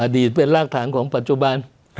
เป็นรากฐานของปัจจุบัน